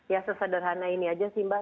ya sesederhana ini aja sih mbak